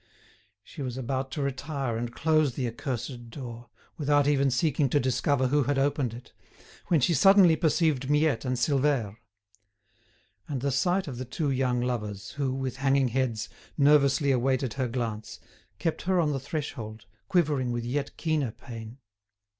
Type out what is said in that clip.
She was about to retire and close the accursed door, without even seeking to discover who had opened it, when she suddenly perceived Miette and Silvère. And the sight of the two young lovers, who, with hanging heads, nervously awaited her glance, kept her on the threshold, quivering with yet keener pain.